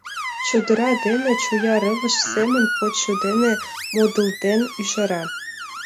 Чодыра дене чоя рывыж семын почшо дене модылден ӱжара.